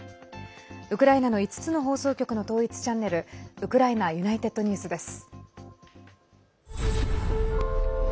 ウクライナの５つの放送局の統一チャンネルウクライナＵｎｉｔｅｄＮｅｗｓです。